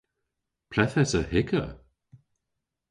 Ple'th esa Hykka?